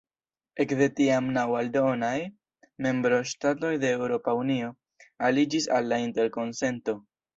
Ekde tiam naŭ aldonaj membroŝtatoj de Eŭropa Unio aliĝis al la interkonsento.